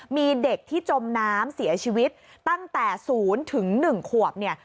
มีเด็กที่จมน้ำเสียชีวิตตั้งแต่๐ถึง๑ขวบเนี่ย